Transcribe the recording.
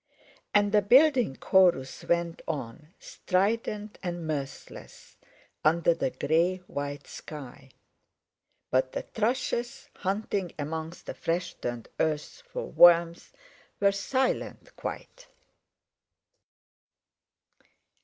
And the building chorus went on, strident and mirthless under the grey white sky. But the thrushes, hunting amongst the fresh turned earth for worms, were silent quite.